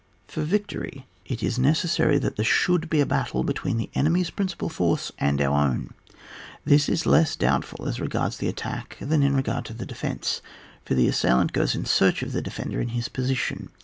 For victory, it is necessary that CHAP. XV.] ATTACK OF A THEATRE OF WAR, ETC. 19 there should be a battle between the enemy's principal force and our own. This is less doubtful as regards the at tack than in regard to the defence, for the assailant g^es in search of the de fender in his position.